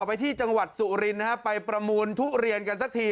ไปที่จังหวัดสุรินนะฮะไปประมูลทุเรียนกันสักที